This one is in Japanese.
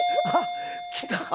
あっ来た。